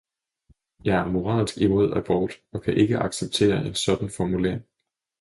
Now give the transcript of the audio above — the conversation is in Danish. Jeg er moralsk imod abort og kan ikke acceptere en sådan formulering.